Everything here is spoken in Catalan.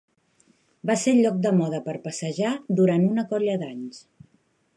Va ser el lloc de moda per passejar durant una colla d'anys.